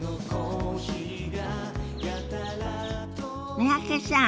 三宅さん